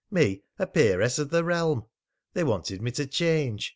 Me a peeress of the realm! They wanted me to change.